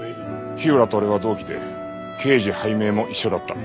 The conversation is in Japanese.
火浦と俺は同期で刑事拝命も一緒だった。